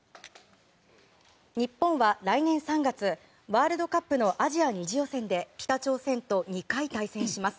日本は来年３月ワールドカップのアジア２次予選で北朝鮮と２回対戦します。